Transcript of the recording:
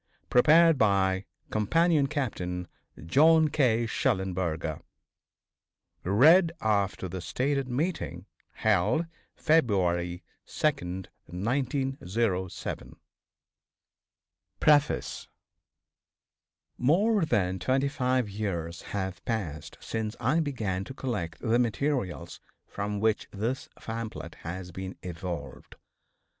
PREPARED BY Companion Captain John K. Shellenberger READ AFTER THE STATED MEETING HELD FEBRUARY 2d, 1907 PREFACE. More than twenty five years have passed since I began to collect the materials from which this pamphlet has been evolved.